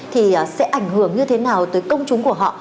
thì sẽ ảnh hưởng như thế nào tới công chúng của họ